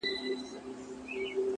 زما پر سهادت ملا ده دا فتواء ورکړې-